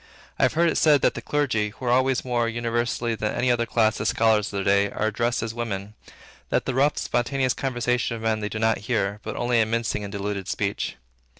I have heard it said that the clergy, who are always, more universally than any other class, the scholars of their day, are addressed as women; that the rough, spontaneous conversation of men they do not hear, but only a mincing and diluted speech.